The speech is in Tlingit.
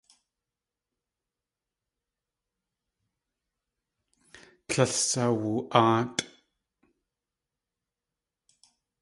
Tlél sawu.áatʼ.